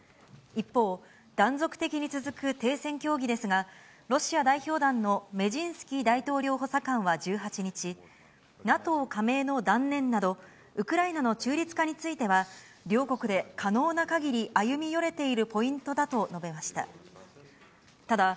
一方、断続的に続く停戦協議ですが、ロシア代表団のメジンスキー大統領補佐官は１８日、ＮＡＴＯ加盟の断念など、ウクライナの中立化については、両国で可能なかぎり歩み寄れているポイントだと述べました。